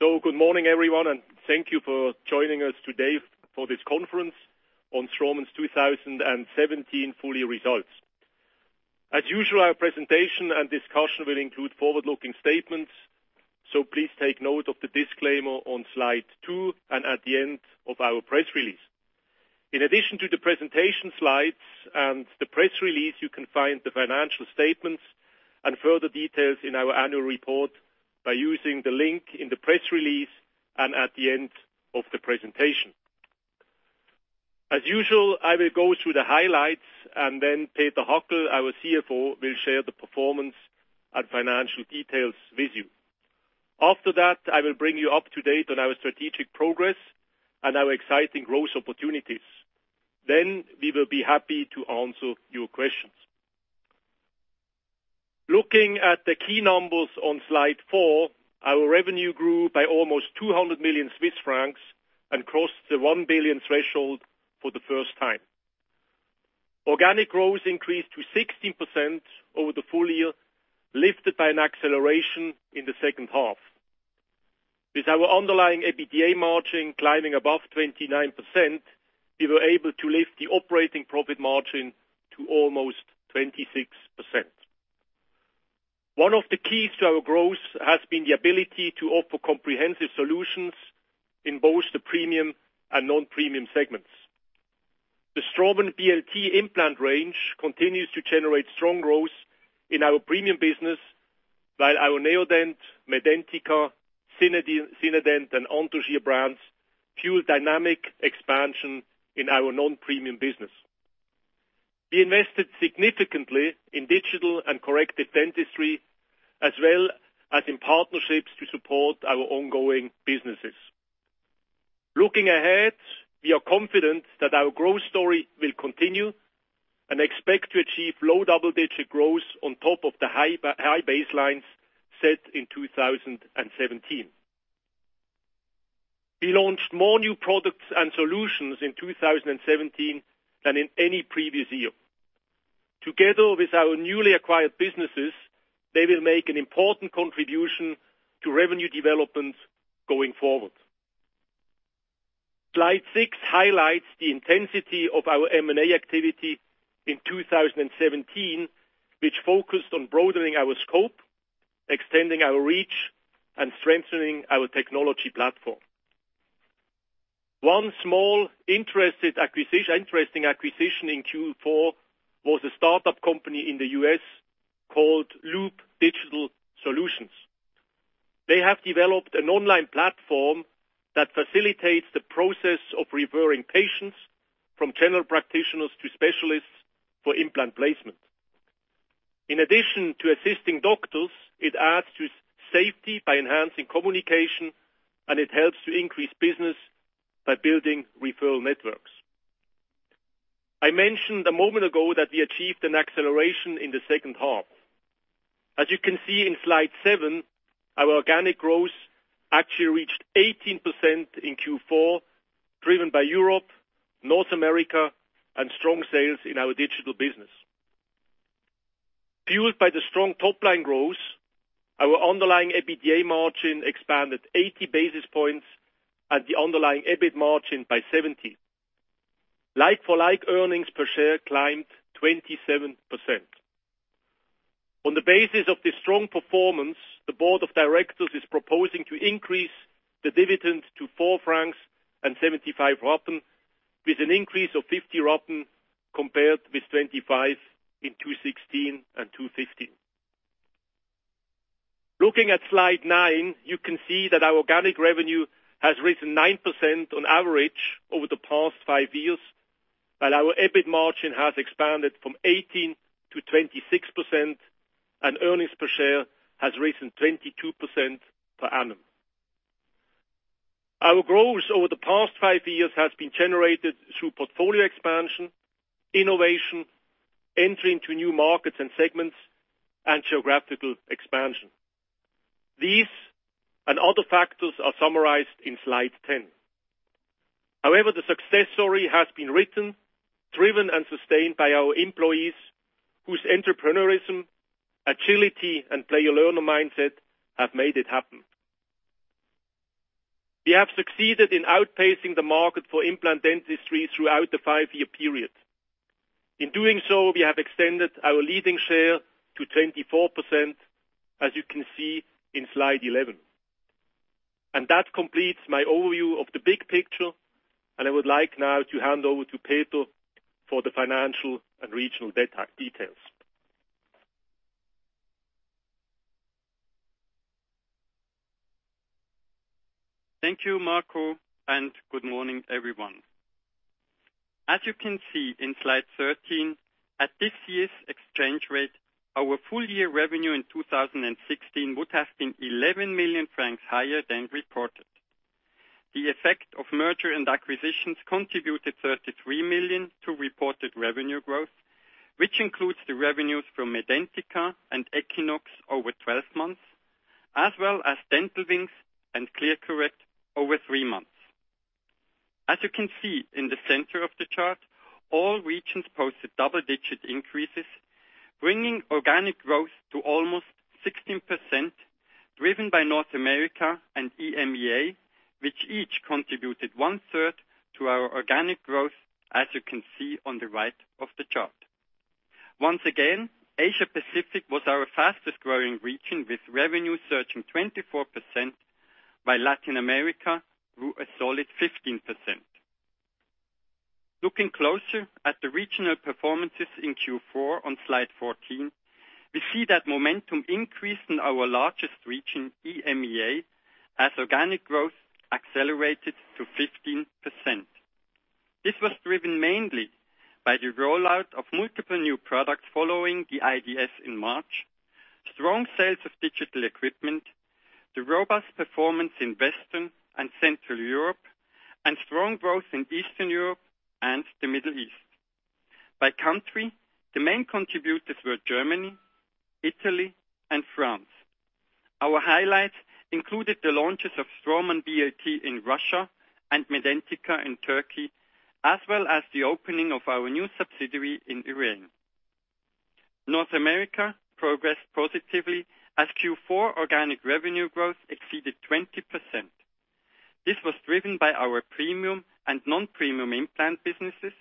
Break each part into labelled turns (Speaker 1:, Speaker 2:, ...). Speaker 1: Good morning, everyone. Thank you for joining us today for this conference on Straumann's 2017 full year results. As usual, our presentation and discussion will include forward-looking statements, so please take note of the disclaimer on Slide 2 and at the end of our press release. In addition to the presentation slides and the press release, you can find the financial statements and further details in our annual report by using the link in the press release and at the end of the presentation. As usual, I will go through the highlights and Peter Hackel, our CFO, will share the performance and financial details with you. After that, I will bring you up to date on our strategic progress and our exciting growth opportunities. We will be happy to answer your questions. Looking at the key numbers on Slide 4, our revenue grew by almost 200 million Swiss francs and crossed the 1 billion threshold for the first time. Organic growth increased to 16% over the full year, lifted by an acceleration in the second half. With our underlying EBITDA margin climbing above 29%, we were able to lift the operating profit margin to almost 26%. One of the keys to our growth has been the ability to offer comprehensive solutions in both the premium and non-premium segments. The Straumann BLT implant range continues to generate strong growth in our premium business, while our Neodent, Medentika, Zinedent, and Anthogyr brands fuel dynamic expansion in our non-premium business. We invested significantly in digital and corrective dentistry, as well as in partnerships to support our ongoing businesses. Looking ahead, we are confident that our growth story will continue and expect to achieve low double-digit growth on top of the high baselines set in 2017. We launched more new products and solutions in 2017 than in any previous year. Together with our newly acquired businesses, they will make an important contribution to revenue development going forward. Slide 6 highlights the intensity of our M&A activity in 2017, which focused on broadening our scope, extending our reach, and strengthening our technology platform. One small interesting acquisition in Q4 was a startup company in the U.S. called Loop Digital Solutions. They have developed an online platform that facilitates the process of referring patients from general practitioners to specialists for implant placement. In addition to assisting doctors, it adds to safety by enhancing communication, and it helps to increase business by building referral networks. I mentioned a moment ago that we achieved an acceleration in the second half. As you can see in Slide 7, our organic growth actually reached 18% in Q4, driven by Europe, North America, and strong sales in our digital business. Fueled by the strong top-line growth, our underlying EBITDA margin expanded 80 basis points and the underlying EBIT margin by 70. Like-for-like earnings per share climbed 27%. On the basis of this strong performance, the board of directors is proposing to increase the dividend to 4.75 francs, with an increase of 0.50 compared with 0.25 in 2016 and 2015. Looking at Slide 9, you can see that our organic revenue has risen 9% on average over the past five years, while our EBIT margin has expanded from 18% to 26%, and earnings per share has risen 22% per annum. Our growth over the past five years has been generated through portfolio expansion, innovation, entry into new markets and segments, and geographical expansion. These and other factors are summarized in Slide 10. However, the success story has been written, driven, and sustained by our employees, whose entrepreneurism, agility, and play-learn mindset have made it happen. We have succeeded in outpacing the market for implant dentistry throughout the five-year period. In doing so, we have extended our leading share to 24%, as you can see in Slide 11. That completes my overview of the big picture, and I would like now to hand over to Peter for the financial and regional details.
Speaker 2: Thank you, Marco, and good morning, everyone. As you can see in Slide 13, at this year's exchange rate, our full year revenue in 2016 would have been 11 million francs higher than reported. The effect of merger and acquisitions contributed 33 million to reported revenue growth, which includes the revenues from Medentika and Equinox over 12 months, as well as Dental Wings and ClearCorrect over three months. As you can see in the center of the chart, all regions posted double-digit increases, bringing organic growth to almost 16%, driven by North America and EMEA, which each contributed one-third to our organic growth, as you can see on the right of the chart. Once again, Asia Pacific was our fastest-growing region, with revenue surging 24%, while Latin America grew a solid 15%. Looking closer at the regional performances in Q4 on slide 14, we see that momentum increased in our largest region, EMEA, as organic growth accelerated to 15%. This was driven mainly by the rollout of multiple new products following the IDS in March, strong sales of digital equipment, the robust performance in Western and Central Europe, and strong growth in Eastern Europe and the Middle East. By country, the main contributors were Germany, Italy, and France. Our highlights included the launches of Straumann BLT in Russia and Medentika in Turkey, as well as the opening of our new subsidiary in Iran. North America progressed positively as Q4 organic revenue growth exceeded 20%. This was driven by our premium and non-premium implant businesses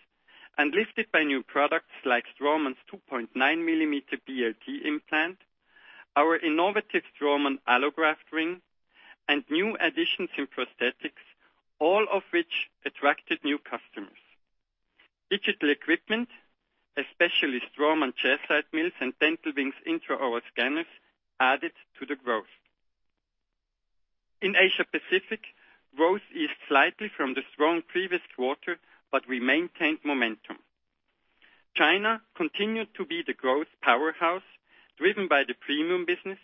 Speaker 2: and lifted by new products like Straumann's 2.9-millimeter BLT implant, our innovative Straumann allograft ring, and new additions in prosthetics, all of which attracted new customers. Digital equipment, especially Straumann chairside mills and Dental Wings intraoral scanners, added to the growth. In Asia Pacific, growth eased slightly from the strong previous quarter, but we maintained momentum. China continued to be the growth powerhouse, driven by the premium business,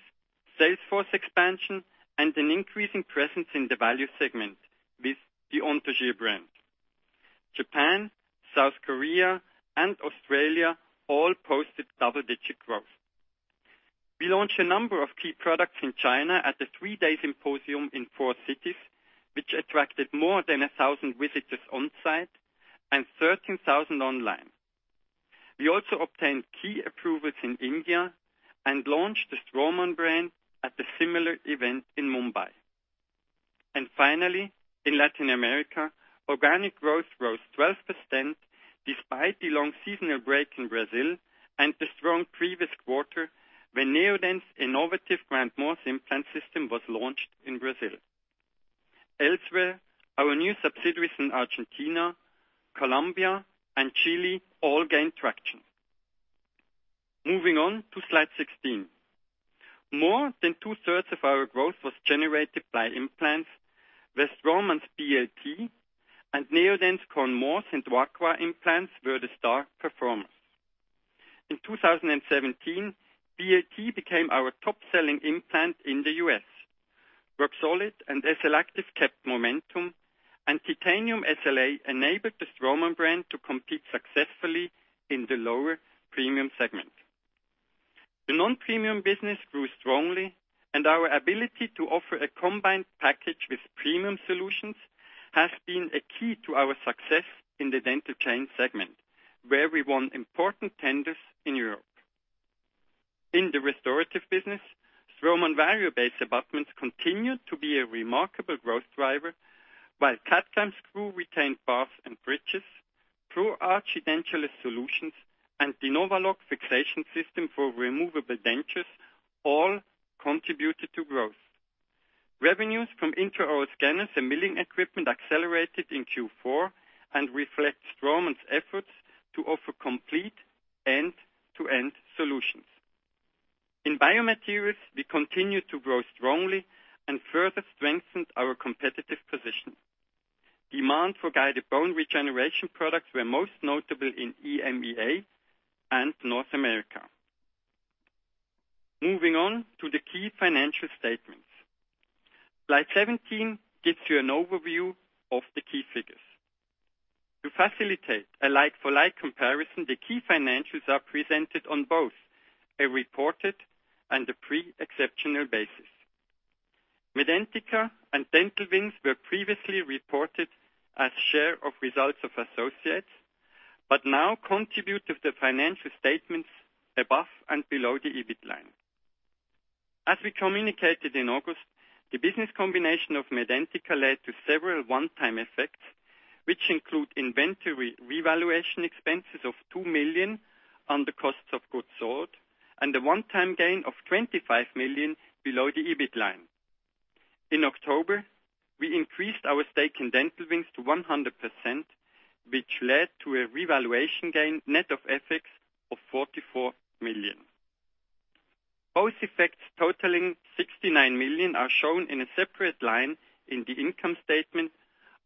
Speaker 2: sales force expansion, and an increasing presence in the value segment with the Anthogyr brand. Japan, South Korea, and Australia all posted double-digit growth. We launched a number of key products in China at a three-day symposium in four cities, which attracted more than 1,000 visitors on-site and 13,000 online. We also obtained key approvals in India and launched the Straumann brand at a similar event in Mumbai. Finally, in Latin America, organic growth rose 12%, despite the long seasonal break in Brazil and a strong previous quarter, when Neodent's innovative Grand Morse implant system was launched in Brazil. Elsewhere, our new subsidiaries in Argentina, Colombia, and Chile all gained traction. Moving on to slide 16. More than two-thirds of our growth was generated by implants, with Straumann’s BLT and Neodent’s Cone Morse and Acqua implants were the star performers. In 2017, BLT became our top-selling implant in the U.S. Roxolid and SLActive kept momentum, and Titanium SLA enabled the Straumann brand to compete successfully in the lower premium segment. The non-premium business grew strongly, and our ability to offer a combined package with premium solutions has been a key to our success in the dental chain segment, where we won important tenders in Europe. In the restorative business, Straumann Variobase abutments continued to be a remarkable growth driver while CAD/CAM screw retained bars and bridges, Pro Arch edentulous solutions, and the NOVALOC fixation system for removable dentures all contributed to growth. Revenues from intraoral scanners and milling equipment accelerated in Q4 and reflect Straumann’s efforts to offer complete end-to-end solutions. In biomaterials, we continued to grow strongly and further strengthened our competitive position. Demand for guided bone regeneration products were most notable in EMEA and North America. Moving on to the key financial statements. Slide 17 gives you an overview of the key figures. To facilitate a like-for-like comparison, the key financials are presented on both a reported and a pre-exceptional basis. Medentika and Dental Wings were previously reported as share of results of associates but now contribute to the financial statements above and below the EBIT line. As we communicated in August, the business combination of Medentika led to several one-time effects, which include inventory revaluation expenses of 2 million on the costs of goods sold and a one-time gain of 25 million below the EBIT line. In October, we increased our stake in Dental Wings to 100%, which led to a revaluation gain net of effects of 44 million. Both effects totaling 69 million are shown in a separate line in the income statement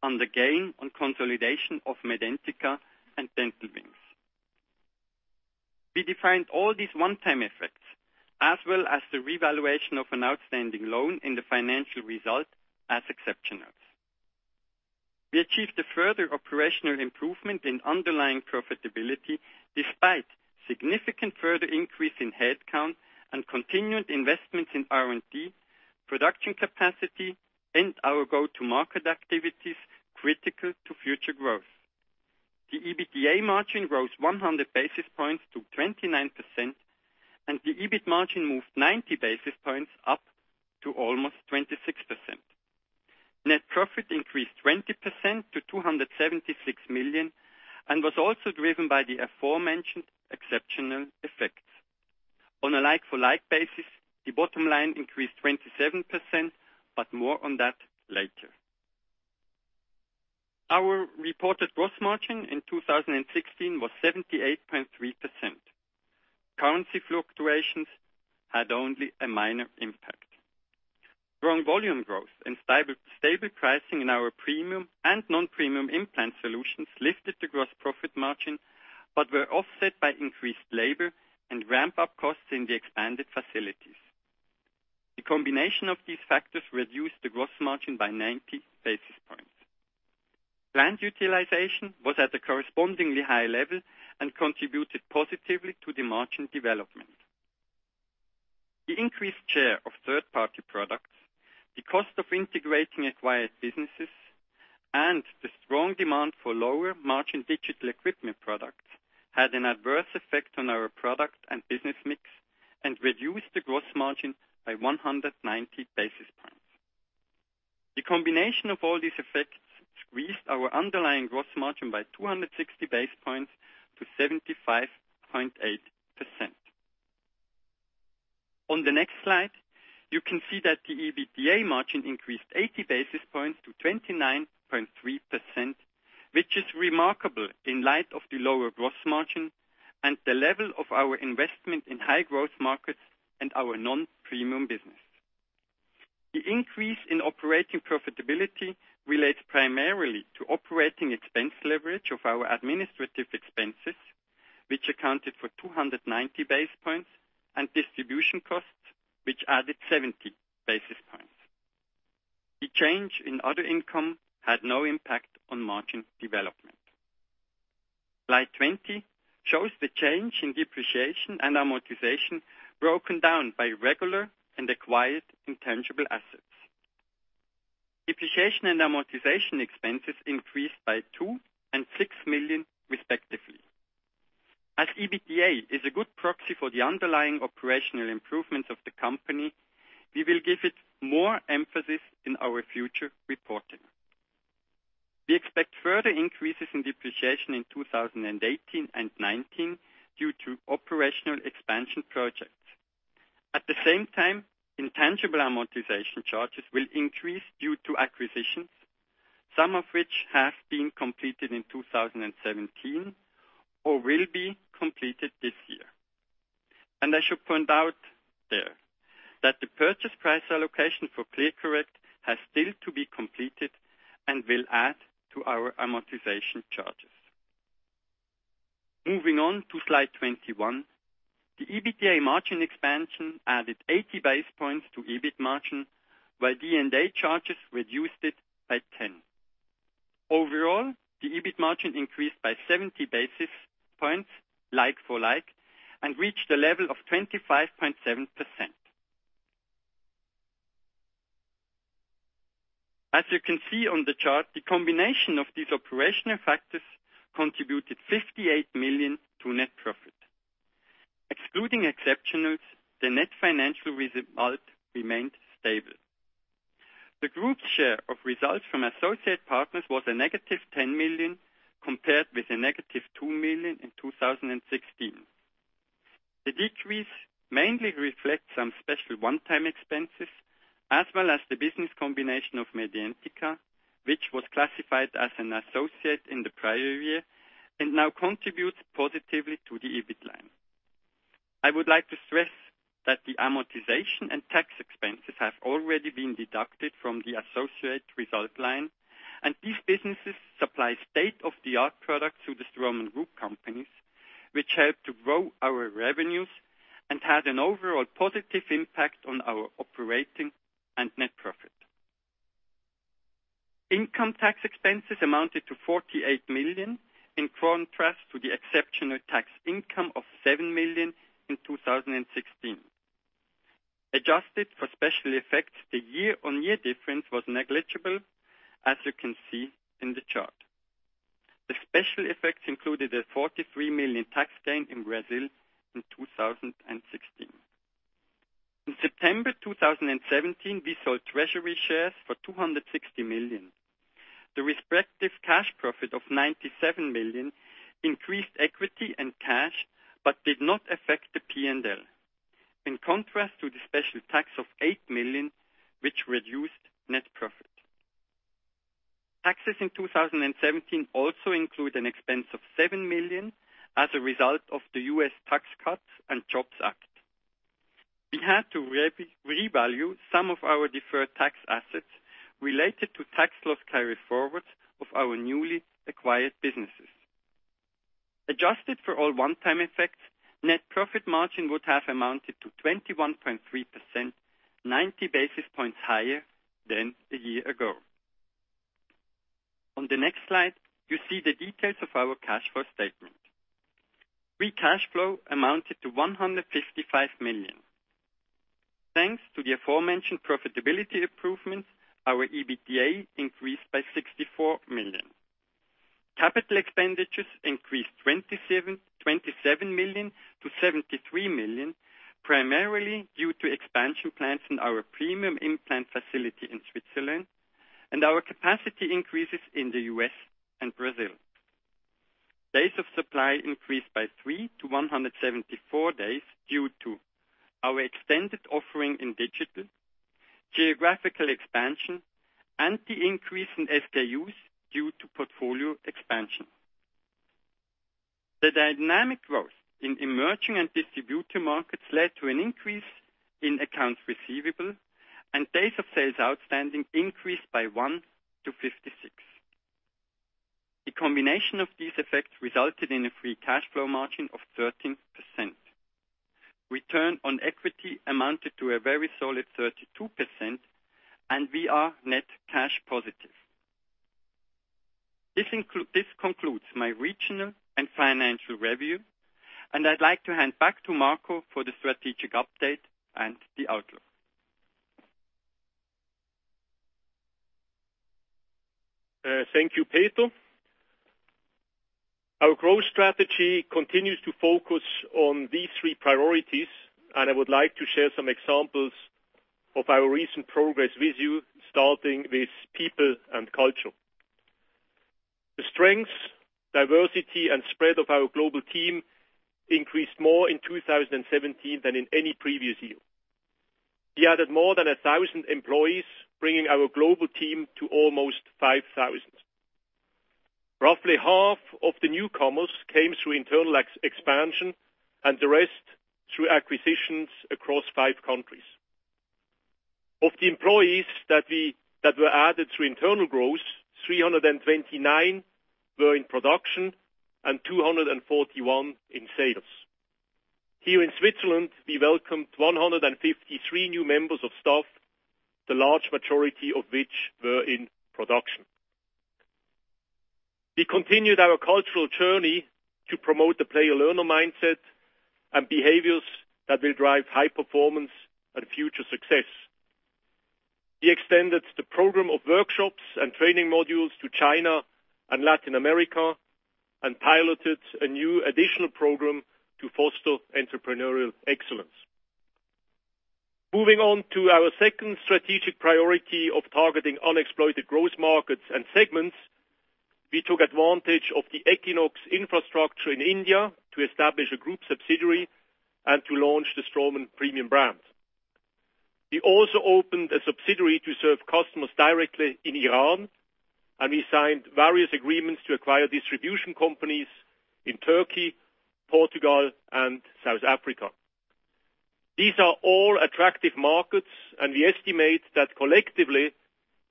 Speaker 2: on the gain on consolidation of Medentika and Dental Wings. We defined all these one-time effects, as well as the revaluation of an outstanding loan in the financial result, as exceptional effects. We achieved a further operational improvement in underlying profitability despite significant further increase in headcount and continued investments in R&D Production capacity and our go-to market activities critical to future growth. The EBITDA margin rose 100 basis points to 29%, and the EBIT margin moved 90 basis points up to almost 26%. Net profit increased 20% to 276 million and was also driven by the aforementioned exceptional effects. On a like-for-like basis, the bottom line increased 27%, but more on that later. Our reported gross margin in 2016 was 78.3%. Currency fluctuations had only a minor impact. Strong volume growth and stable pricing in our premium and non-premium implant solutions lifted the gross profit margin, but were offset by increased labor and ramp-up costs in the expanded facilities. The combination of these factors reduced the gross margin by 90 basis points. Plant utilization was at a correspondingly high level and contributed positively to the margin development. The increased share of third-party products, the cost of integrating acquired businesses, and the strong demand for lower margin digital equipment products had an adverse effect on our product and business mix and reduced the gross margin by 190 basis points. The combination of all these effects squeezed our underlying gross margin by 260 basis points to 75.8%. On the next slide, you can see that the EBITDA margin increased 80 basis points to 29.3%, which is remarkable in light of the lower gross margin and the level of our investment in high growth markets and our non-premium business. The increase in operating profitability relates primarily to operating expense leverage of our administrative expenses, which accounted for 290 basis points, and distribution costs, which added 70 basis points. The change in other income had no impact on margin development. Slide 20 shows the change in depreciation and amortization broken down by regular and acquired intangible assets. Depreciation and amortization expenses increased by 2 million and 6 million, respectively. As EBITDA is a good proxy for the underlying operational improvements of the company, we will give it more emphasis in our future reporting. We expect further increases in depreciation in 2018 and 2019 due to operational expansion projects. At the same time, intangible amortization charges will increase due to acquisitions, some of which have been completed in 2017 or will be completed this year. I should point out there that the purchase price allocation for ClearCorrect has still to be completed and will add to our amortization charges. Moving on to slide 21. The EBITDA margin expansion added 80 basis points to EBIT margin, while D&A charges reduced it by 10 basis points. Overall, the EBIT margin increased by 70 basis points like-for-like and reached a level of 25.7%. As you can see on the chart, the combination of these operational factors contributed 58 million to net profit. Excluding exceptionals, the net financial result remained stable. The group's share of results from associate partners was a negative 10 million compared with a negative 2 million in 2016. The decrease mainly reflects some special one-time expenses as well as the business combination of Medentika, which was classified as an associate in the prior year and now contributes positively to the EBIT line. I would like to stress that the amortization and tax expenses have already been deducted from the associate result line. These businesses supply state-of-the-art products to the Straumann Group companies, which help to grow our revenues and had an overall positive impact on our operating and net profit. Income tax expenses amounted to 48 million, in contrast to the exceptional tax income of 7 million in 2016. Adjusted for special effects, the year-on-year difference was negligible, as you can see in the chart. The special effects included a 43 million tax gain in Brazil in 2016. In September 2017, we sold treasury shares for 260 million. The respective cash profit of 97 million increased equity and cash, but did not affect the P&L. In contrast to the special tax of 8 million, which reduced net profit. Taxes in 2017 also include an expense of 7 million as a result of the U.S. Tax Cuts and Jobs Act. We had to revalue some of our deferred tax assets related to tax loss carryforwards of our newly acquired businesses. Adjusted for all one-time effects, net profit margin would have amounted to 21.3%, 90 basis points higher than a year ago. On the next slide, you see the details of our cash flow statement. Free cash flow amounted to 155 million. Thanks to the aforementioned profitability improvements, our EBITDA increased by 64 million. Capital expenditures increased 27 million to 73 million, primarily due to expansion plans in our premium implant facility in Switzerland and our capacity increases in the U.S. and Brazil. Days of supply increased by three to 174 days due to our extended offering in digital, geographical expansion, and the increase in SKUs due to portfolio expansion. The dynamic growth in emerging and distributor markets led to an increase in accounts receivable, and days of sales outstanding increased by one to 56. The combination of these effects resulted in a free cash flow margin of 13%. Return on equity amounted to a very solid 32%, and we are net cash positive. This concludes my regional and financial review, and I'd like to hand back to Marco for the strategic update and the outlook.
Speaker 1: Thank you, Peter. Our growth strategy continues to focus on these three priorities, and I would like to share some examples of our recent progress with you, starting with people and culture. The strengths, diversity, and spread of our global team increased more in 2017 than in any previous year. We added more than 1,000 employees, bringing our global team to almost 5,000. Roughly half of the newcomers came through internal expansion and the rest through acquisitions across five countries. Of the employees that were added through internal growth, 329 were in production and 241 in sales. Here in Switzerland, we welcomed 153 new members of staff, the large majority of which were in production. We continued our cultural journey to promote the player-learner mindset and behaviors that will drive high performance and future success. We extended the program of workshops and training modules to China and Latin America. Piloted a new additional program to foster entrepreneurial excellence. Moving on to our second strategic priority of targeting unexploited growth markets and segments, we took advantage of the Equinox infrastructure in India to establish a group subsidiary and to launch the Straumann premium brand. We also opened a subsidiary to serve customers directly in Iran. We signed various agreements to acquire distribution companies in Turkey, Portugal, and South Africa. We estimate that collectively,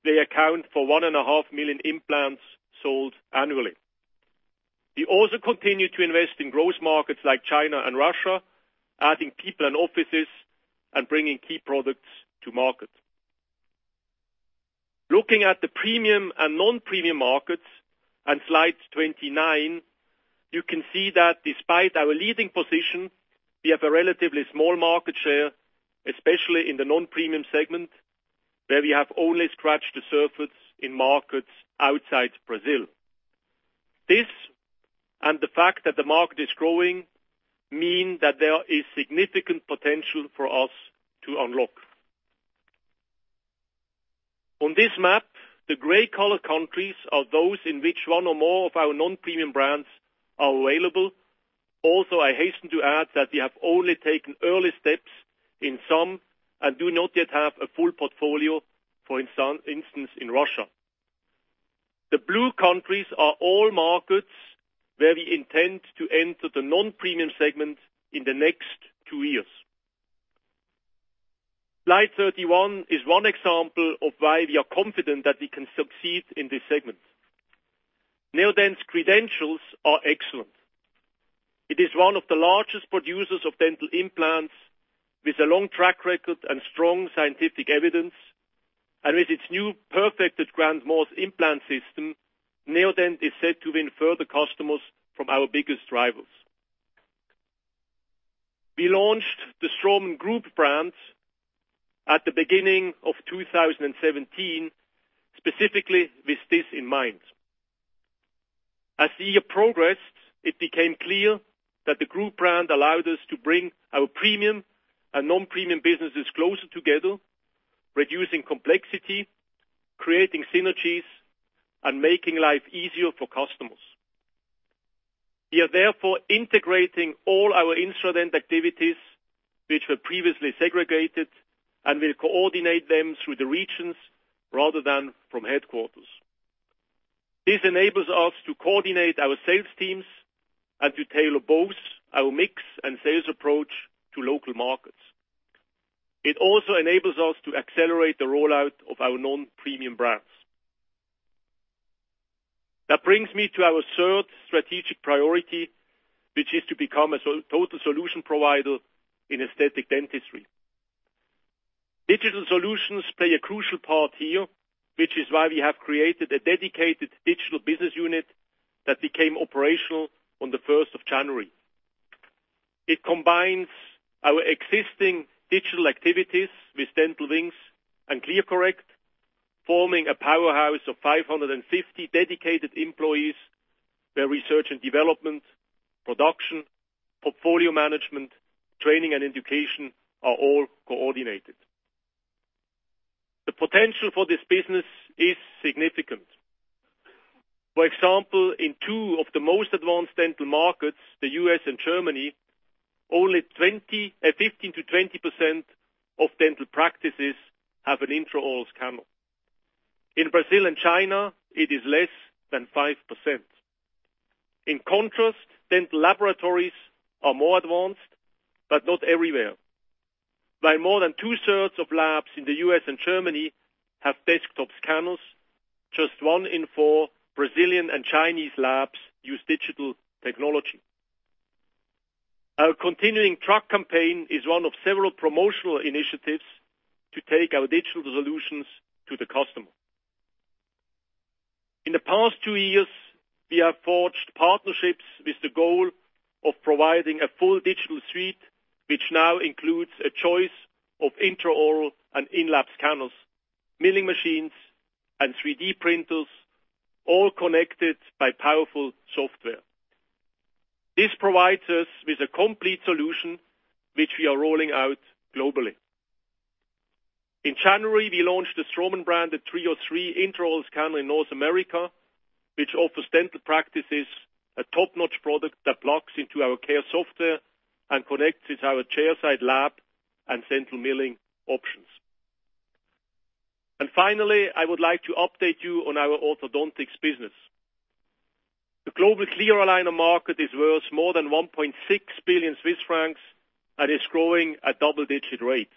Speaker 1: they account for one and a half million implants sold annually. We also continue to invest in growth markets like China and Russia, adding people and offices, and bringing key products to market. Looking at the premium and non-premium markets on slide 29, you can see that despite our leading position, we have a relatively small market share, especially in the non-premium segment, where we have only scratched the surface in markets outside Brazil. This, the fact that the market is growing, mean that there is significant potential for us to unlock. On this map, the gray color countries are those in which one or more of our non-premium brands are available. I hasten to add that we have only taken early steps in some and do not yet have a full portfolio, for instance, in Russia. The blue countries are all markets where we intend to enter the non-premium segment in the next two years. Slide 31 is one example of why we are confident that we can succeed in this segment. Neodent's credentials are excellent. With its new perfected Grand Morse implant system, Neodent is set to win further customers from our biggest rivals. We launched the Straumann Group brand at the beginning of 2017, specifically with this in mind. As the year progressed, it became clear that the group brand allowed us to bring our premium and non-premium businesses closer together, reducing complexity, creating synergies, and making life easier for customers. We are therefore integrating all our instrument activities, which were previously segregated and will coordinate them through the regions rather than from headquarters. This enables us to coordinate our sales teams and to tailor both our mix and sales approach to local markets. It also enables us to accelerate the rollout of our non-premium brands. That brings me to our third strategic priority, which is to become a total solution provider in aesthetic dentistry. Digital solutions play a crucial part here, which is why we have created a dedicated digital business unit that became operational on the 1st of January. It combines our existing digital activities with Dental Wings and ClearCorrect, forming a powerhouse of 550 dedicated employees where research and development, production, portfolio management, training, and education are all coordinated. The potential for this business is significant. For example, in two of the most advanced dental markets, the U.S. and Germany, only 15%-20% of dental practices have an intraoral scanner. In Brazil and China, it is less than 5%. In contrast, dental laboratories are more advanced, but not everywhere. By more than two-thirds of labs in the U.S. and Germany have desktop scanners, just one in four Brazilian and Chinese labs use digital technology. Our continuing truck campaign is one of several promotional initiatives to take our digital solutions to the customer. In the past two years, we have forged partnerships with the goal of providing a full digital suite, which now includes a choice of intraoral and in-lab scanners, milling machines, and 3D printers, all connected by powerful software. This provides us with a complete solution, which we are rolling out globally. In January, we launched the Straumann brand TRIOS Intraoral Scanner in North America, which offers dental practices a top-notch product that plugs into our CARES software and connects with our chairside lab and central milling options. Finally, I would like to update you on our orthodontics business. The global clear aligner market is worth more than 1.6 billion Swiss francs and is growing at double-digit rates.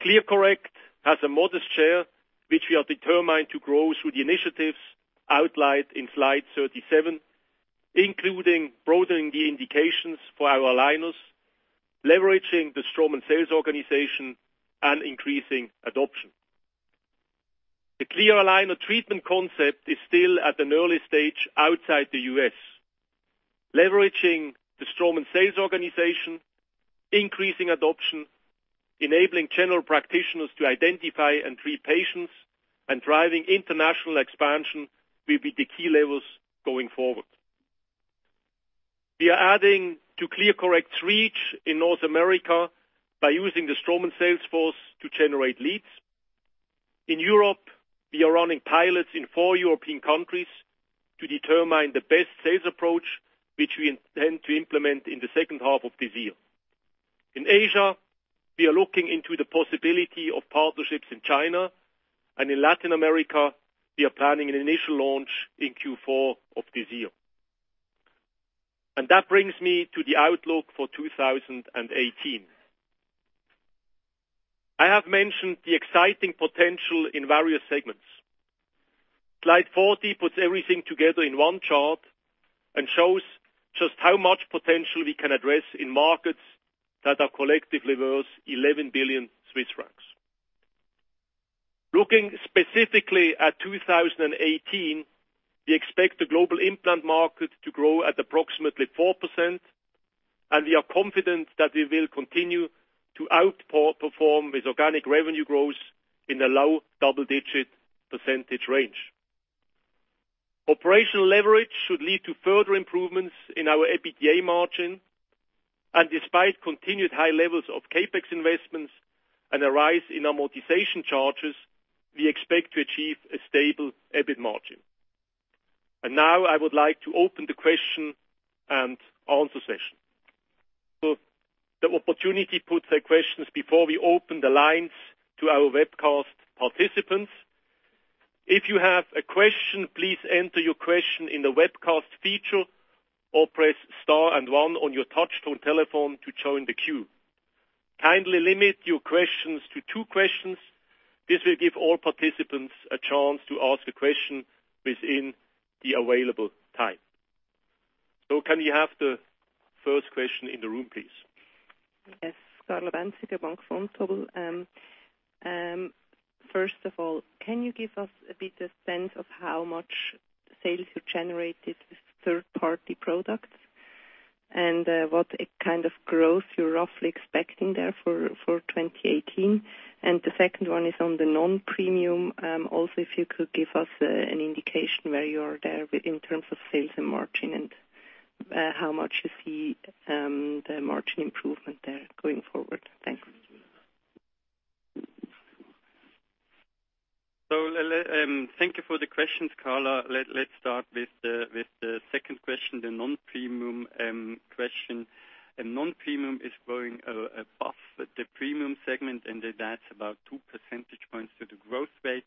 Speaker 1: ClearCorrect has a modest share, which we are determined to grow through the initiatives outlined in slide 37, including broadening the indications for our aligners, leveraging the Straumann sales organization, and increasing adoption. The clear aligner treatment concept is still at an early stage outside the U.S. Leveraging the Straumann sales organization, increasing adoption, enabling general practitioners to identify and treat patients, and driving international expansion will be the key levers going forward. We are adding to ClearCorrect's reach in North America by using the Straumann sales force to generate leads. In Europe, we are running pilots in four European countries to determine the best sales approach, which we intend to implement in the second half of this year. In Asia, we are looking into the possibility of partnerships in China. In Latin America, we are planning an initial launch in Q4 of this year. That brings me to the outlook for 2018. I have mentioned the exciting potential in various segments. Slide 40 puts everything together in one chart and shows just how much potential we can address in markets that are collectively worth 11 billion Swiss francs. Looking specifically at 2018, we expect the global implant market to grow at approximately 4%, and we are confident that we will continue to outperform with organic revenue growth in the low double-digit percentage range. Operational leverage should lead to further improvements in our EBITDA margin. Despite continued high levels of CapEx investments and a rise in amortization charges, we expect to achieve a stable EBIT margin. Now I would like to open the question and answer session. The opportunity to put the questions before we open the lines to our webcast participants. If you have a question, please enter your question in the webcast feature or press star 1 on your touch-tone telephone to join the queue. Kindly limit your questions to two questions. This will give all participants a chance to ask a question within the available time. Can we have the first question in the room, please?
Speaker 3: Yes. Carla Bänziger, Bank Vontobel. First of all, can you give us a bit of sense of how much sales you generated with third-party products and what kind of growth you are roughly expecting there for 2018? The second one is on the non-premium. Also, if you could give us an indication where you are there in terms of sales and margin and how much you see the margin improvement there going forward. Thanks.
Speaker 1: Thank you for the questions, Carla. Let's start with the second question, the non-premium question. Non-premium is growing above the premium segment, and that's about two percentage points to the growth rate.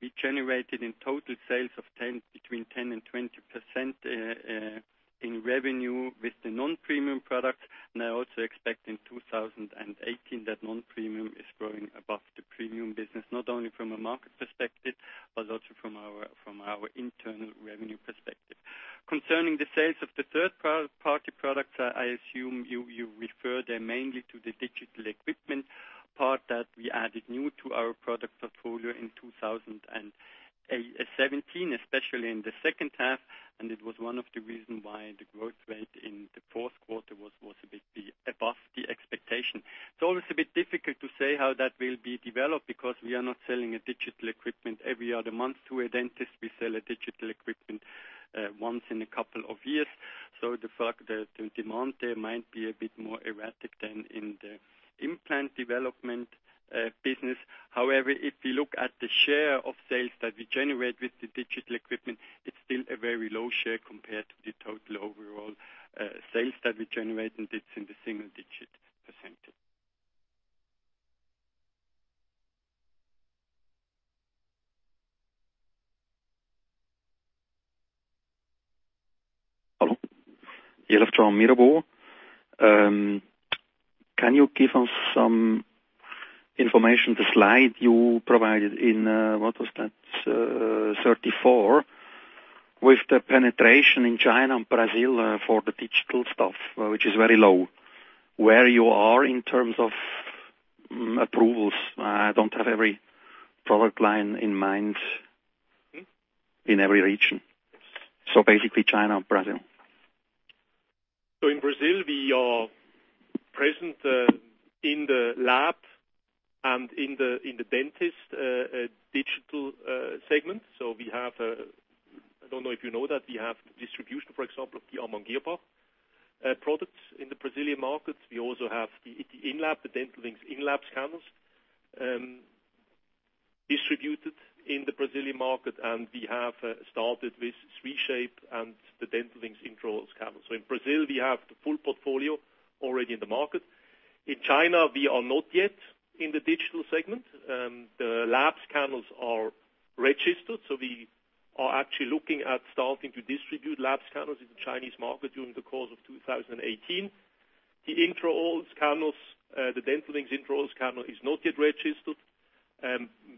Speaker 1: We generated in total sales of between 10% and 20% in revenue with the non-premium product. I also expect in 2018 that non-premium is growing above the premium business, not only from a market perspective, but also from our internal revenue perspective. Concerning the sales of the third-party products, I assume you refer there mainly to the digital equipment part that we added new to our product portfolio in 2017, especially in the second half, and it was one of the reasons why the growth rate in the fourth quarter was a bit above the expectation. It's always a bit difficult to say how that will be developed because we are not selling a digital equipment every other month to a dentist. We sell a digital equipment once in a couple of years, so the demand there might be a bit more erratic than in the implant development business. However, if we look at the share of sales that we generate with the digital equipment, it's still a very low share compared to the total overall sales that we generate, and it's in the single-digit percentage.
Speaker 4: Hello.
Speaker 5: Can you give us some information, the slide you provided in, what was that, 34, with the penetration in China and Brazil for the digital stuff, which is very low, where you are in terms of approvals? I don't have every product line in mind- -in every region. Basically China and Brazil.
Speaker 1: In Brazil, we are present in the lab and in the dentist digital segment. We have, I don't know if you know that, we have distribution, for example, of the Amann Girrbach products in the Brazilian markets. We also have the inLab, the Dental Wings inLab scanners distributed in the Brazilian market, and we have started with 3Shape and the Dental Wings intraoral scanner. In Brazil, we have the full portfolio already in the market. In China, we are not yet in the digital segment. The labs scanners are registered, so we are actually looking at starting to distribute labs scanners in the Chinese market during the course of 2018. The intraoral scanners, the Dental Wings intraoral scanner is not yet registered,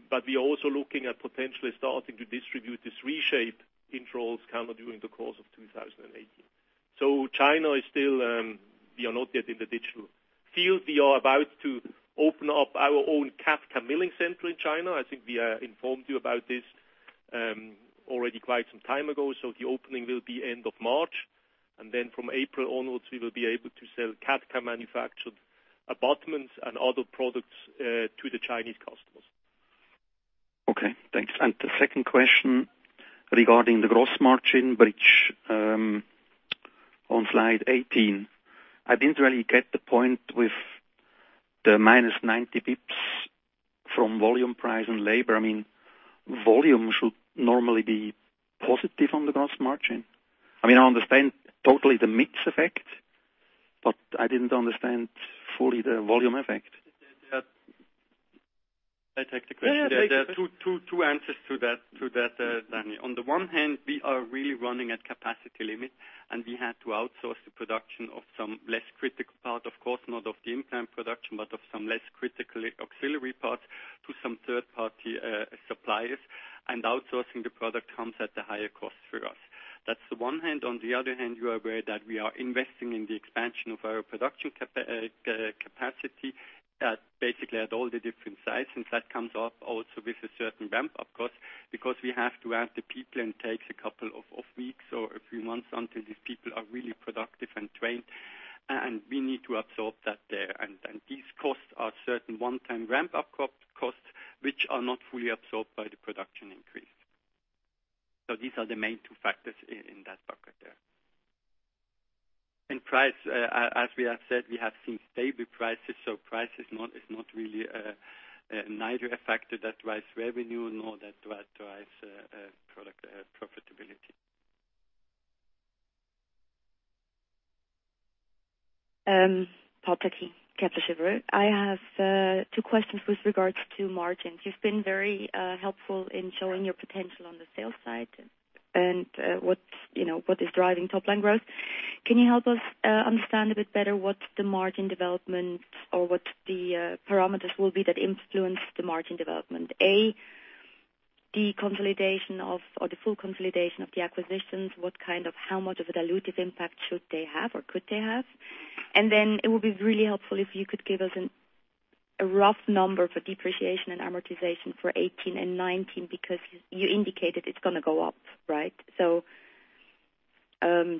Speaker 1: but we are also looking at potentially starting to distribute the 3Shape intraoral scanner during the course of 2018. China is still, we are not yet in the digital field. We are about to open up our own CAD/CAM milling center in China. I think I informed you about this already quite some time ago. The opening will be end of March, and then from April onwards, we will be able to sell CAD/CAM manufactured abutments and other products to the Chinese customers.
Speaker 5: Okay, thanks. The second question regarding the gross margin bridge on slide 18. I didn't really get the point with the minus 90 basis points from volume price and labor. Volume should normally be positive on the gross margin. I understand totally the mix effect, but I didn't understand fully the volume effect.
Speaker 1: Can I take the question?
Speaker 5: Yeah.
Speaker 1: There are two answers to that, Danny. On the one hand, we are really running at capacity limit, we had to outsource the production of some less critical part, of course, not of the implant production, but of some less critical auxiliary parts to some third-party suppliers, and outsourcing the product comes at a higher cost for us. That's the one hand. On the other hand, you are aware that we are investing in the expansion of our production capacity at basically at all the different sites, that comes up also with a certain ramp-up cost because we have to add the people and takes a couple of weeks or a few months until these people are really productive and trained, and we need to absorb that there. These costs are certain one-time ramp-up costs which are not fully absorbed by the production increase. These are the main two factors in that bucket there. In price, as we have said, we have seen stable prices, price is not really neither a factor that drives revenue nor that drives profitability.
Speaker 6: Paul Techie, Kepler Cheuvreux. I have two questions with regards to margins. You've been very helpful in showing your potential on the sales side and what is driving top-line growth. Can you help us understand a bit better what the margin developments or what the parameters will be that influence the margin development? A, the consolidation of, or the full consolidation of the acquisitions, what kind of, how much of a dilutive impact should they have or could they have? It would be really helpful if you could give us a rough number for depreciation and amortization for 2018 and 2019 because you indicated it's going to go up, right?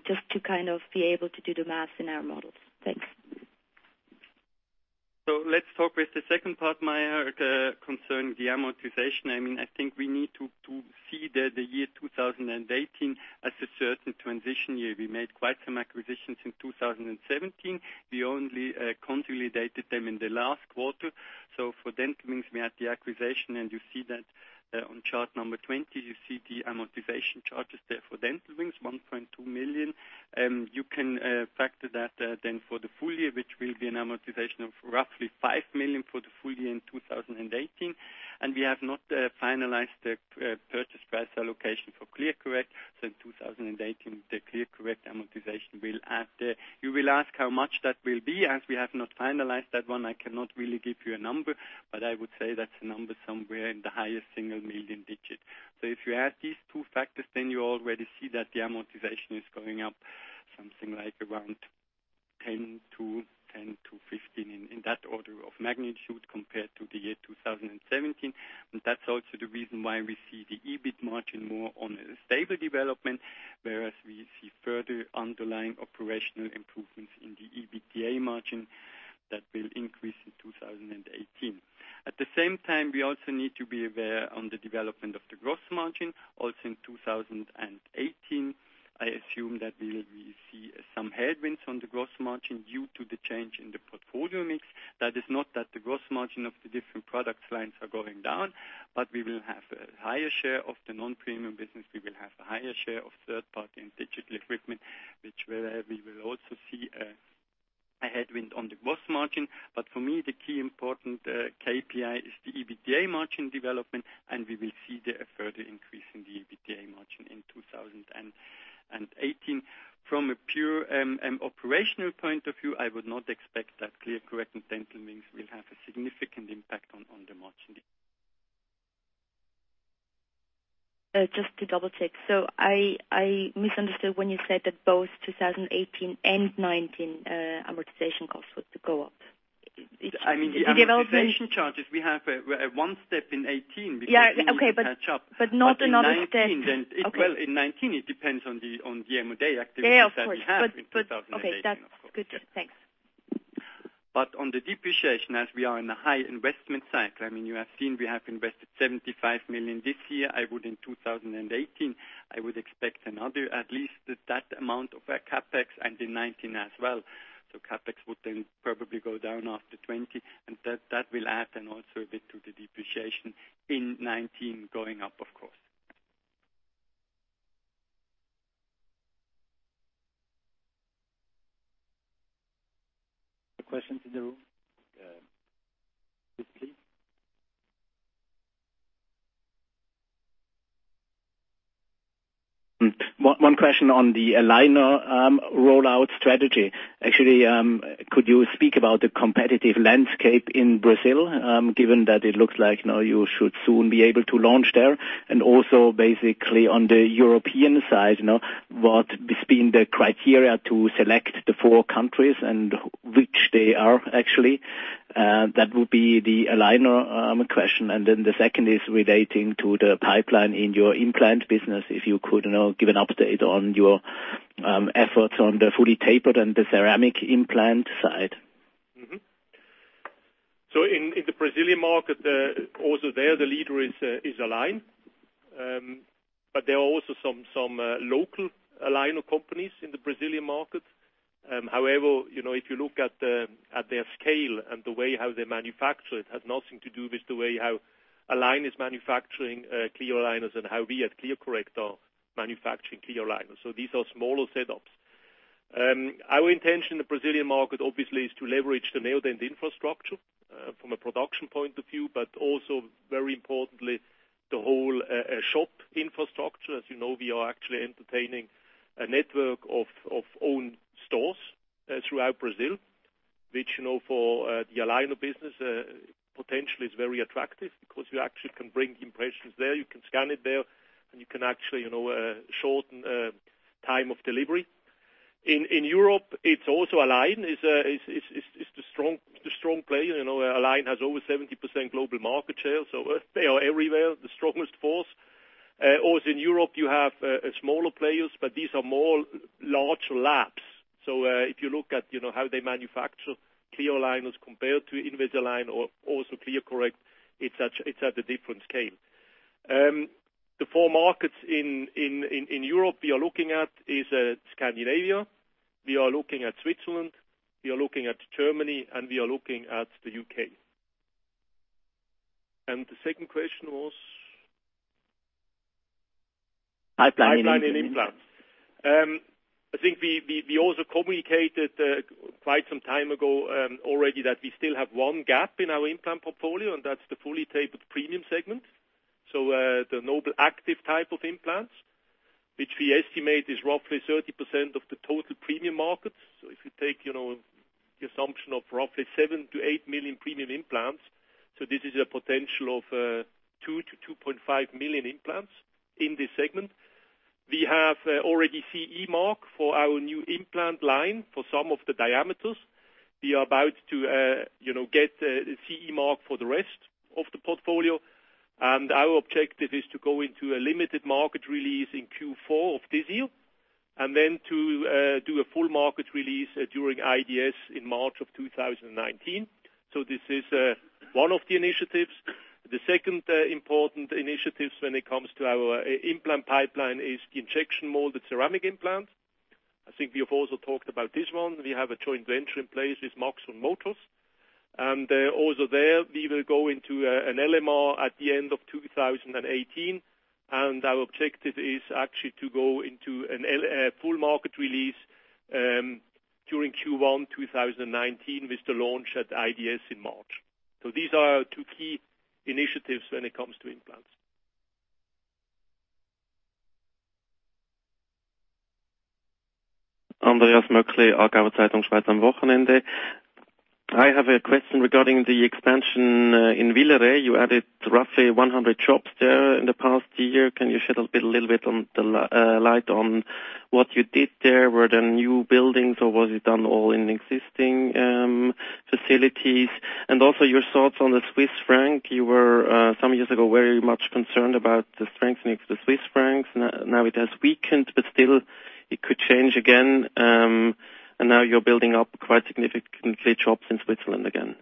Speaker 6: Just to be able to do the math in our models. Thanks.
Speaker 2: Let's talk with the second part, Maya, concerning the amortization. I think we need to see the year 2018 as a certain transition year. We made quite some acquisitions in 2017. We only consolidated them in the last quarter. For Dental Wings, we had the acquisition, and you see that on chart number 20: you see the amortization charges there for Dental Wings, 1.2 million. You can factor that then for the full year, which will be an amortization of roughly 5 million for the full year in 2018. We have not finalized the purchase price allocation for ClearCorrect since 2018, the ClearCorrect amortization will add. You will ask how much that will be. As we have not finalized that one, I cannot really give you a number, but I would say that's a number somewhere in the highest single million digit.
Speaker 1: If you add these two factors, you already see that the amortization is going up something like around
Speaker 2: 10%-15%, in that order of magnitude compared to the year 2017. That's also the reason why we see the EBIT margin more on a stable development, whereas we see further underlying operational improvements in the EBITDA margin that will increase in 2018. At the same time, we also need to be aware on the development of the gross margin. In 2018, I assume that we will see some headwinds on the gross margin due to the change in the portfolio mix. That is not that the gross margin of the different product lines are going down, but we will have a higher share of the non-premium business. We will have a higher share of third party and digital equipment, which we will also see a headwind on the gross margin. For me, the key important KPI is the EBITDA margin development, and we will see a further increase in the EBITDA margin in 2018. From a pure operational point of view, I would not expect that ClearCorrect and Dental Wings will have a significant impact on the margin.
Speaker 6: Just to double check. I misunderstood when you said that both 2018 and 2019 amortization costs were to go up.
Speaker 2: I mean, the amortization charges, we have one step in 2018 because we need to catch up.
Speaker 6: Okay. Not another step.
Speaker 2: In 2019, it depends on the M&A activities that we have in 2018, of course.
Speaker 6: Yeah, of course. Okay, that's good. Thanks.
Speaker 2: On the depreciation, as we are in a high investment cycle, I mean, you have seen we have invested 75 million this year. In 2018, I would expect another at least that amount of CapEx and in 2019 as well. CapEx would then probably go down after 2020, and that will add then also a bit to the depreciation in 2019 going up, of course.
Speaker 1: A question to the room. Yes, please.
Speaker 7: One question on the aligner rollout strategy. Actually, could you speak about the competitive landscape in Brazil, given that it looks like now you should soon be able to launch there, and also basically on the European side, what has been the criteria to select the four countries and which they are actually? That would be the aligner question. The second is relating to the pipeline in your implant business. If you could give an update on your efforts on the fully tapered and the ceramic implant side.
Speaker 1: In the Brazilian market, also there the leader is Align Technology. There are also some local aligner companies in the Brazilian market. However, if you look at their scale and the way how they manufacture it, has nothing to do with the way how Align Technology is manufacturing clear aligners and how we at ClearCorrect are manufacturing clear aligners. These are smaller setups. Our intention in the Brazilian market obviously is to leverage the Neodent infrastructure from a production point of view, but also very importantly, the whole shop infrastructure. As you know, we are actually entertaining a network of own stores throughout Brazil, which for the aligner business, potentially is very attractive because you actually can bring impressions there, you can scan it there, and you can actually shorten time of delivery. In Europe, it is also Align Technology, is the strong player. Align Technology has over 70% global market share, they are everywhere, the strongest force. Also in Europe, you have smaller players, these are more large labs. If you look at how they manufacture clear aligners compared to Invisalign or also ClearCorrect, it is at a different scale. The four markets in Europe we are looking at is Scandinavia, we are looking at Switzerland, we are looking at Germany, and we are looking at the U.K. The second question was?
Speaker 7: Pipeline in implants.
Speaker 1: Pipeline in implants. I think we also communicated quite some time ago already that we still have one gap in our implant portfolio, and that's the fully tapered premium segment. The NobelActive type of implants, which we estimate is roughly 30% of the total premium market. If you take the assumption of roughly 7 million-8 million premium implants, this is a potential of 2 million-2.5 million implants in this segment. We have already CE mark for our new implant line for some of the diameters. We are about to get the CE mark for the rest of the portfolio, and our objective is to go into a limited market release in Q4 of this year, then to do a full market release during IDS in March of 2019. This is one of the initiatives. The second important initiatives when it comes to our implant pipeline is the injection molded ceramic implants. I think we have also talked about this one. We have a joint venture in place with maxon motor. Also there, we will go into an LMR at the end of 2018, and our objective is actually to go into a full market release during Q1 2019 with the launch at IDS in March. These are our two key initiatives when it comes to implants.
Speaker 8: Andreas Möckli, Aargauer Zeitung, Schweiz am Wochenende. I have a question regarding the expansion in Villeret. You added roughly 100 jobs there in the past year. Can you shed a little bit of light on what you did there? Were there new buildings or was it done all in existing facilities? Also your thoughts on the Swiss franc. You were, some years ago, very much concerned about the strengthening of the Swiss franc. Now it has weakened, but still it could change again. Now you're building up quite significantly jobs in Switzerland again.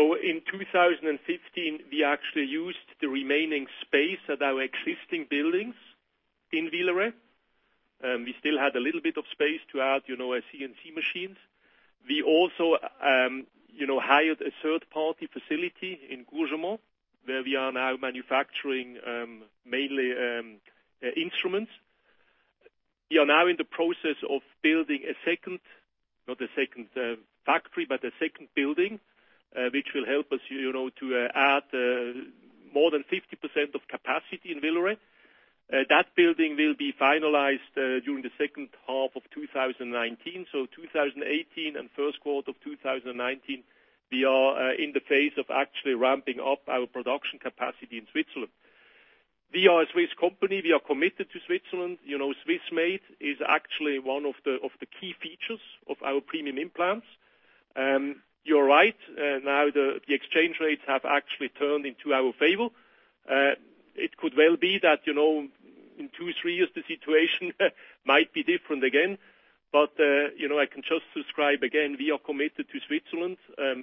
Speaker 1: In 2015, we actually used the remaining space at our existing buildings in Villeret. We still had a little bit of space to add CNC machines. We also hired a third-party facility in Courgenay, where we are now manufacturing mainly instruments. We are now in the process of building a second, not a second factory, but a second building, which will help us to add more than 50% of capacity in Villeret. That building will be finalized during the second half of 2019. 2018 and first quarter of 2019, we are in the phase of actually ramping up our production capacity in Switzerland. We are a Swiss company. We are committed to Switzerland. Swiss made is actually one of the key features of our premium implants. You're right. Now the exchange rates have actually turned into our favor. It could well be that, in two, three years, the situation might be different again. I can just describe again, we are committed to Switzerland.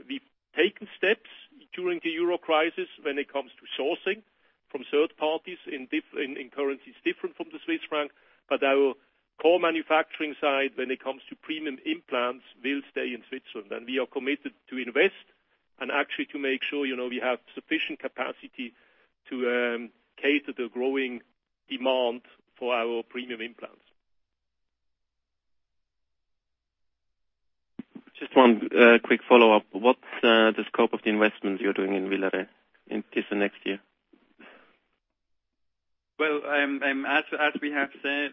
Speaker 1: We've taken steps during the Euro crisis when it comes to sourcing from third parties in currencies different from the Swiss franc. Our core manufacturing side, when it comes to premium implants, will stay in Switzerland, and we are committed to invest and actually to make sure we have sufficient capacity to cater the growing demand for our premium implants.
Speaker 8: Just one quick follow-up. What's the scope of the investments you're doing in Villeret this next year?
Speaker 1: Well, as we have said,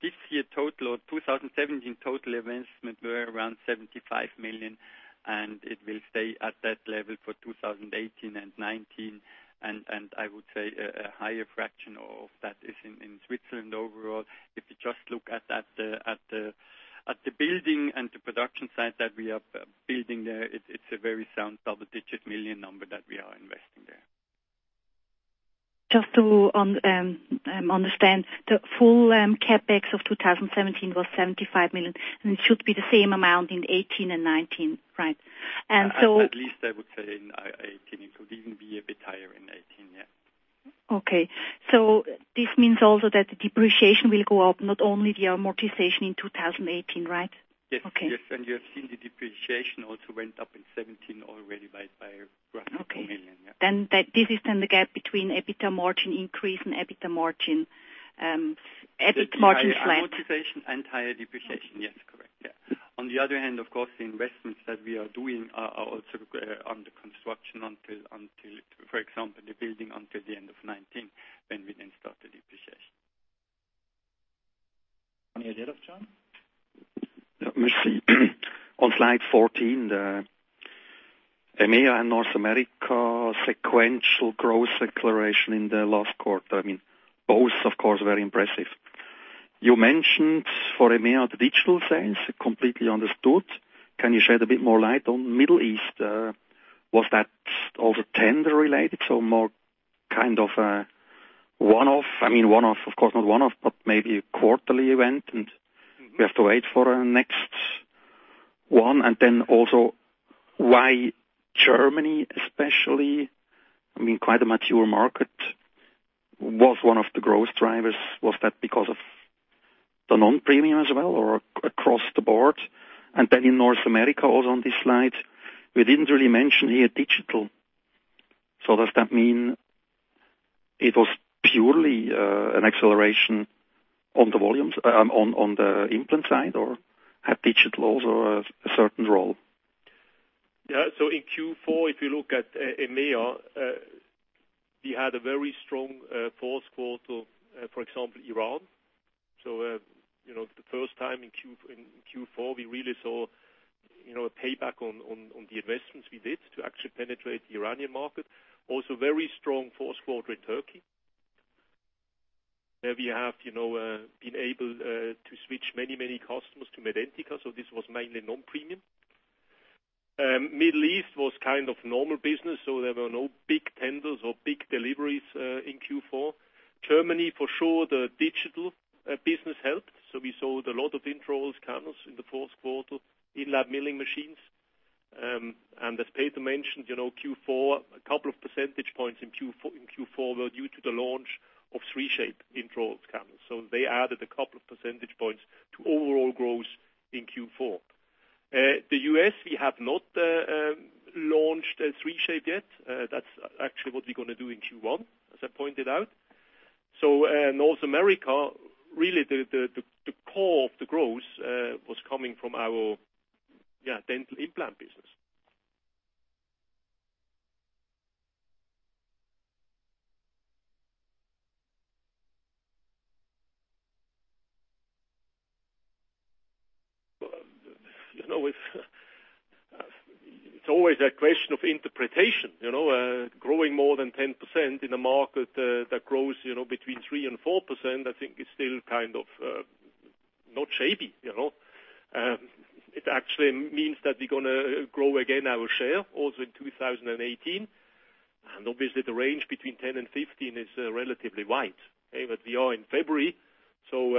Speaker 1: this year total or 2017 total investments were around 75 million, and it will stay at that level for 2018 and 2019, and I would say a higher fraction of that is in Switzerland overall. If you just look at the building and the production site that we are building there, it's a very sound double-digit million number that we are investing there.
Speaker 7: Just to understand, the full CapEx of 2017 was 75 million, it should be the same amount in 2018 and 2019, right?
Speaker 1: At least I would say in 2018. It could even be a bit higher in 2018, yeah.
Speaker 7: Okay. This means also that the depreciation will go up, not only the amortization in 2018, right?
Speaker 1: Yes.
Speaker 7: Okay.
Speaker 1: Yes, you have seen the depreciation also went up in 2017 already by roughly, [inaudible] yeah.
Speaker 7: Okay. This is then the gap between EBITDA margin increase and EBIT margin [slant]?
Speaker 1: The entire amortization and higher depreciation. Yes, correct. Of course, the investments that we are doing are also under construction, for example, the building until the end of 2019, we then start the depreciation.
Speaker 5: On slide 14, the EMEA and North America sequential growth acceleration in the last quarter. Both, of course, very impressive. You mentioned for EMEA, the digital sales, completely understood. Can you shed a bit more light on Middle East? Was that also tender related? More kind of a one-off, I mean, one-off, of course not one-off, but maybe a quarterly event, and we have to wait for the next one. Also, why Germany especially, quite a mature market, was one of the growth drivers. Was that because of the non-premium as well or across the board? In North America, also on this slide, we didn't really mention here digital. Does that mean it was purely an acceleration on the volumes-- on the implant side, or had digital also a certain role?
Speaker 1: In Q4, if you look at EMEA, we had a very strong fourth quarter, for example, Iran. The first time in Q4, we really saw a payback on the investments we did to actually penetrate the Iranian market. Also very strong fourth quarter in Turkey, where we have been able to switch many customers to Medentika, this was mainly non-premium. Middle East was kind of normal business, there were no big tenders or big deliveries in Q4. Germany, for sure, the digital business helped. We sold a lot of intraoral scanners in the fourth quarter, in-lab milling machines. As Peter mentioned, Q4, a couple of percentage points in Q4 were due to the launch of 3Shape intraoral scanners. They added a couple of percentage points to overall growth in Q4. The U.S., we have not launched 3Shape yet. That's actually what we're going to do in Q1, as I pointed out. North America, really the core of the growth was coming from our dental implant business. It's always a question of interpretation. Growing more than 10% in a market that grows between 3% and 4%, I think is still not shabby. It actually means that we're going to grow again our share also in 2018. Obviously the range between 10% and 15% is relatively wide. We are in February, so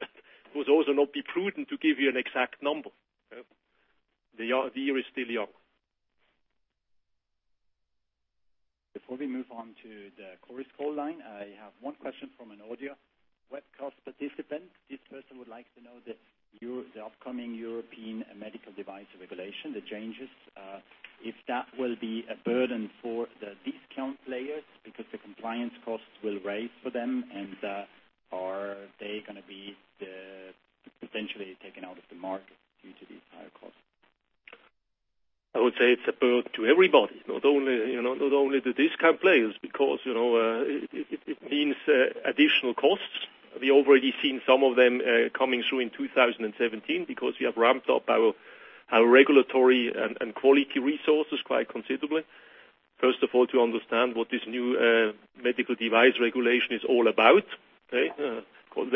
Speaker 1: it would also not be prudent to give you an exact number. The year is still young.
Speaker 9: Before we move on to the Chorus Call line, I have one question from an audio webcast participant. This person would like to know the upcoming European medical device regulation, the changes, if that will be a burden for the discount players because the compliance costs will raise for them, and are they going to be potentially taken out of the market due to these higher costs?
Speaker 1: I would say it's a burden to everybody, not only the discount players, because it means additional costs. We already seen some of them coming through in 2017 because we have ramped up our regulatory and quality resources quite considerably. First of all, to understand what this new European medical device regulation is all about. There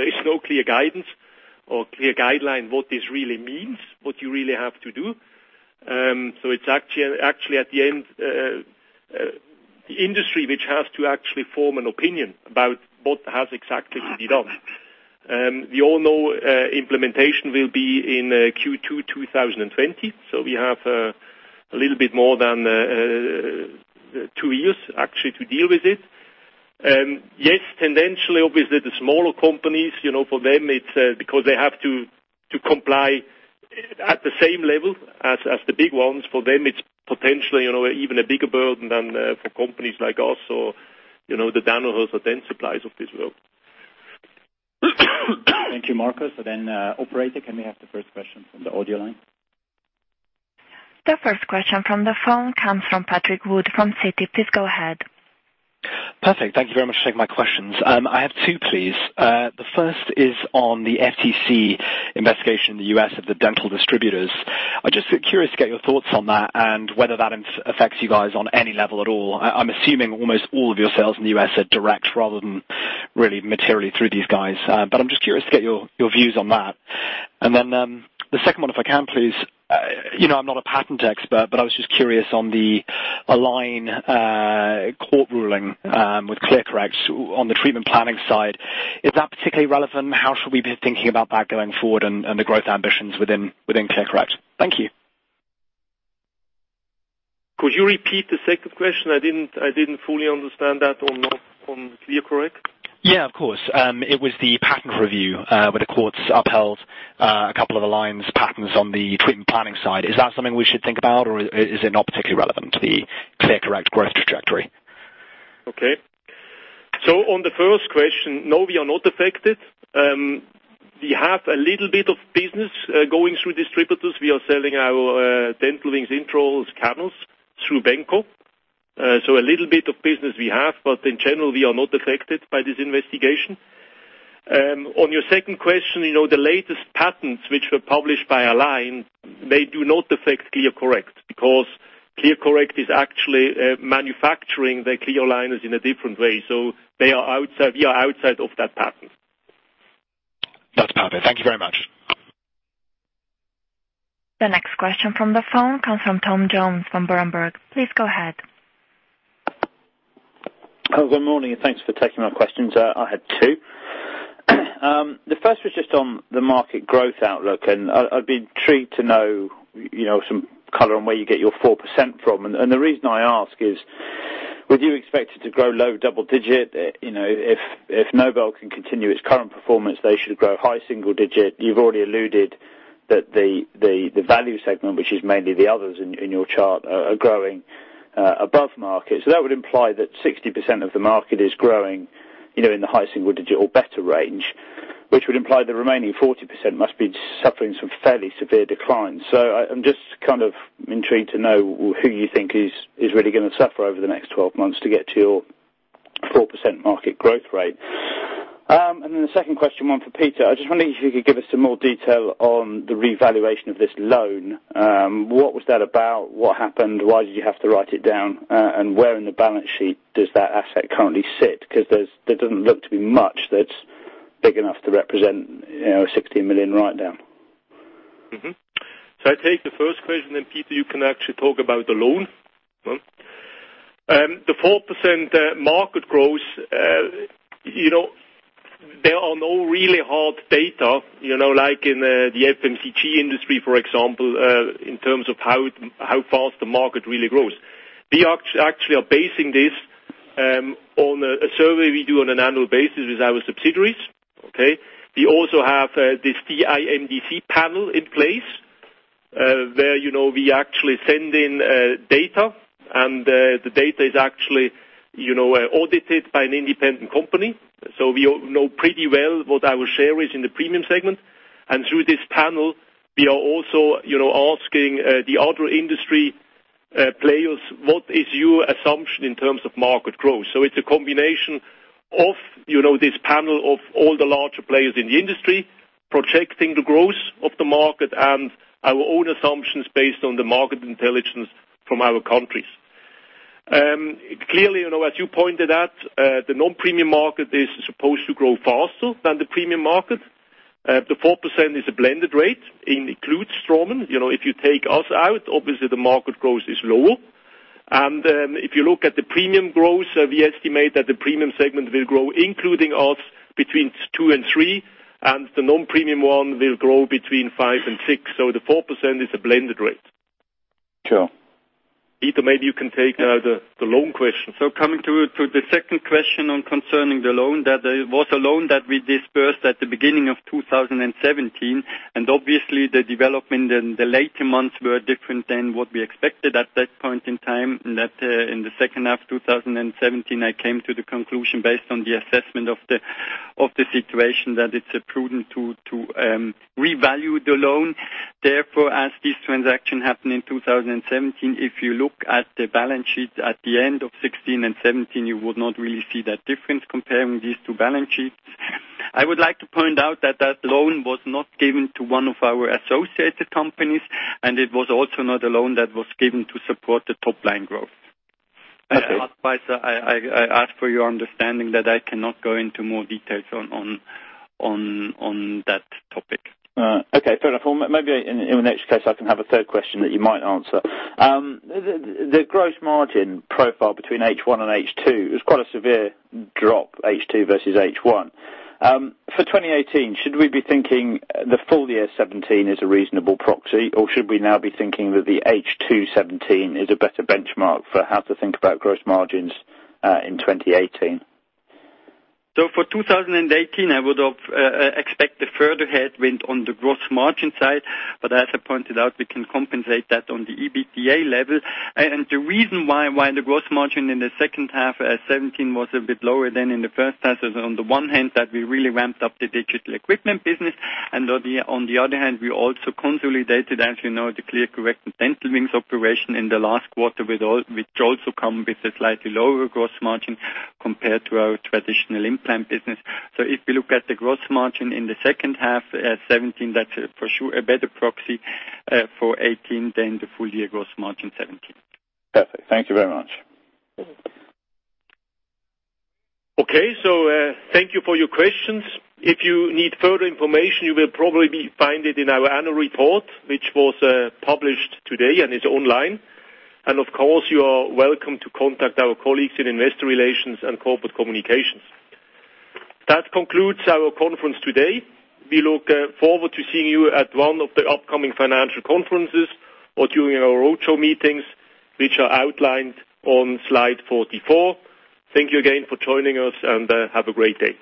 Speaker 1: is no clear guidance or clear guideline what this really means, what you really have to do. It's actually at the end, the industry which has to actually form an opinion about what has exactly to be done. We all know implementation will be in Q2 2020, so we have a little bit more than two years, actually, to deal with it. Yes, tendentially, obviously the smaller companies, for them, because they have to comply at the same level as the big ones, for them, it's potentially even a bigger burden than for companies like us or the Danaher or Dentsply of this world.
Speaker 9: Thank you, Marco. Operator, can we have the first question from the audio line?
Speaker 10: The first question from the phone comes from Patrick Wood from Citi. Please go ahead.
Speaker 11: Perfect. Thank you very much for taking my questions. I have two, please. The first is on the FTC investigation in the U.S. of the dental distributors. I'm just curious to get your thoughts on that and whether that affects you guys on any level at all. I'm assuming almost all of your sales in the U.S. are direct rather than really materially through these guys. I'm just curious to get your views on that. The second one, if I can, please. I'm not a patent expert, but I was just curious on the Align court ruling with ClearCorrect on the treatment planning side. Is that particularly relevant? How should we be thinking about that going forward and the growth ambitions within ClearCorrect? Thank you.
Speaker 1: Could you repeat the second question? I didn't fully understand that on ClearCorrect.
Speaker 11: Yeah, of course. It was the patent review, where the courts upheld a couple of Align's patents on the treatment planning side. Is that something we should think about, or is it not particularly relevant to the ClearCorrect growth trajectory?
Speaker 1: Okay. On the first question, no, we are not affected. We have a little bit of business going through distributors. We are selling our Dental Wings intraoral scanners through Benco. A little bit of business we have, but in general, we are not affected by this investigation. On your second question, the latest patents which were published by Align, they do not affect ClearCorrect because ClearCorrect is actually manufacturing their clear aligners in a different way. We are outside of that patent.
Speaker 11: That's perfect. Thank you very much.
Speaker 10: The next question from the phone comes from Tom Jones from Berenberg. Please go ahead.
Speaker 12: Good morning, and thanks for taking my questions. I had two. The first was just on the market growth outlook. I'd be intrigued to know some color on where you get your 4% from. The reason I ask is, with you expected to grow low double digit, if Nobel can continue its current performance, they should grow high single digit. You've already alluded that the value segment, which is mainly the others in your chart, are growing above market. That would imply that 60% of the market is growing in the high single digit or better range, which would imply the remaining 40% must be suffering some fairly severe declines. I'm just intrigued to know who you think is really going to suffer over the next 12 months to get to your 4% market growth rate. The second question, one for Peter. I just wondered if you could give us some more detail on the revaluation of this loan. What was that about? What happened? Why did you have to write it down? Where in the balance sheet does that asset currently sit? Because there doesn't look to be much that's big enough to represent a 16 million write-down.
Speaker 1: I take the first question. Peter, you can actually talk about the loan. The 4% market growth, there are no really hard data like in the FMCG industry, for example, in terms of how fast the market really grows. We actually are basing this on a survey we do on an annual basis with our subsidiaries. Okay. We also have this TIMDC panel in place, where we actually send in data, and the data is actually audited by an independent company. We know pretty well what our share is in the premium segment. Through this panel, we are also asking the other industry players, what is your assumption in terms of market growth? It's a combination of this panel of all the larger players in the industry, projecting the growth of the market and our own assumptions based on the market intelligence from our countries. Clearly, as you pointed out, the non-premium market is supposed to grow faster than the premium market. The 4% is a blended rate, includes Straumann. If you take us out, obviously the market growth is lower. If you look at the premium growth, we estimate that the premium segment will grow, including us, between 2% and 3%, and the non-premium one will grow between 5% and 6%. The 4% is a blended rate.
Speaker 12: Sure.
Speaker 1: Peter, maybe you can take the loan question.
Speaker 2: Coming to the second question concerning the loan. That was a loan that we disbursed at the beginning of 2017, obviously the development in the later months were different than what we expected at that point in time, that in the second half of 2017, I came to the conclusion based on the assessment of the situation, that it's prudent to revalue the loan. Therefore, as this transaction happened in 2017, if you look at the balance sheet at the end of 2016 and 2017, you would not really see that difference comparing these two balance sheets. I would like to point out that that loan was not given to one of our associated companies, it was also not a loan that was given to support the top-line growth.
Speaker 12: Okay.
Speaker 2: Otherwise, I ask for your understanding that I cannot go into more details on that topic.
Speaker 12: All right. Okay, fair enough. Well, maybe in the next case, I can have a third question that you might answer. The gross margin profile between H1 and H2 is quite a severe drop, H2 versus H1. For 2018, should we be thinking the full year 2017 is a reasonable proxy, or should we now be thinking that the H2 2017 is a better benchmark for how to think about gross margins in 2018?
Speaker 2: For 2018, I would expect a further headwind on the gross margin side, but as I pointed out, we can compensate that on the EBITDA level. The reason why the gross margin in the second half 2017 was a bit lower than in the first half is on the one hand, that we really ramped up the digital equipment business, and on the other hand, we also consolidated, as you know, the ClearCorrect Dental Wings operation in the last quarter, which also come with a slightly lower gross margin compared to our traditional implant business. If you look at the gross margin in the second half 2017, that's for sure a better proxy for 2018 than the full year gross margin 2017.
Speaker 12: Perfect. Thank you very much.
Speaker 1: Thank you for your questions. If you need further information, you will probably find it in our annual report, which was published today and is online. Of course, you are welcome to contact our colleagues in investor relations and corporate communications. That concludes our conference today. We look forward to seeing you at one of the upcoming financial conferences or during our roadshow meetings, which are outlined on slide 44. Thank you again for joining us, and have a great day.